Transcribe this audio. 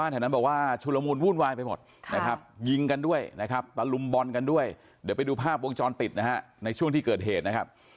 เดี๋ยวไปดูภาพวงจรติดนะฮะในช่วงที่เกิดเหตุนะครับ